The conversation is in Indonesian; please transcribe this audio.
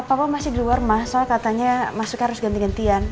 papa masih di luar rumah soal katanya masuknya harus ganti gantian